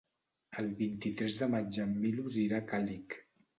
El vint-i-tres de maig en Milos irà a Càlig.